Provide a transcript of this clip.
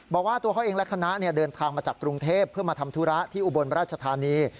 บอกว่าตัวเขาเองและคณะเดินทางมาจากกรุงเทพเพื่อมาทำธุระที่อุบลราชธานี